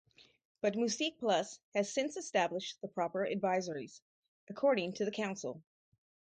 But MusiquePlus has since established the proper advisories, according to the council.